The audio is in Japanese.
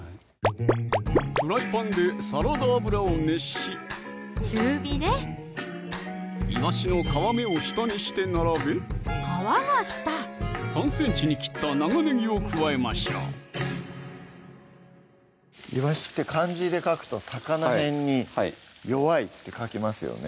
フライパンでサラダ油を熱し中火ねいわしの皮目を下にして並べ皮が下３ｃｍに切った長ねぎを加えましょういわしって漢字で書くと魚偏に弱いって書きますよね